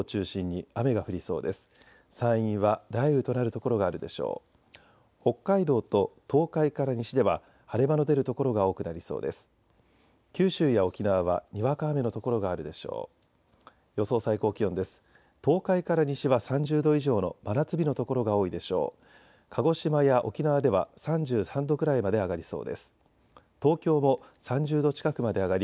九州や沖縄はにわか雨の所があるでしょう。